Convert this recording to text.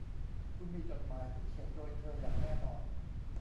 คุณมีจดหมายที่เขียนโดยเธออย่างแน่นอน